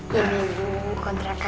ya ibu kontrakan kita